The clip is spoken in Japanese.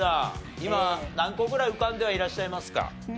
今何個ぐらい浮かんでいらっしゃいますか？